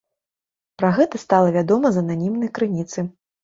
Пра гэта стала вядома з ананімнай крыніцы.